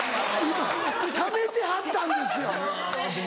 今ためてはったんですよ。